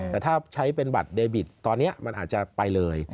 แต่ถ้าใช้เป็นบัตรเดบิตตอนนี้มันอาจจะไปเลย